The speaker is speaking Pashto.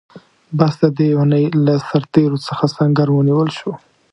بس د دې اوونۍ له سرتېرو څخه سنګر ونیول شو.